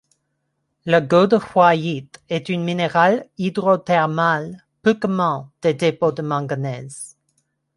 La gaudefroyite est une minéral hydrothermal peu commun des dépôts de manganèse.